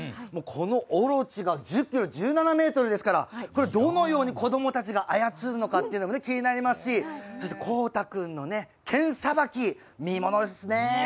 この大蛇が１０ｋｇ、１７ｍですからどのように子どもたちが操るのかも気になりますし孝汰君の剣さばき見ものですね。